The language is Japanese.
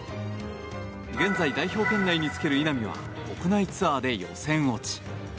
現在、代表県内につける稲見は国内ツアーで予選落ち。